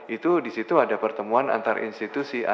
itu di situ ada pertemuan antar institusi